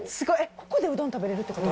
ここでうどん食べれるってこと？